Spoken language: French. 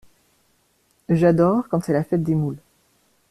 J'adore quand c'est la fête des moules.